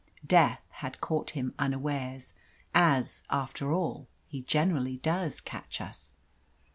Death had caught him unawares as, after all, he generally does catch us.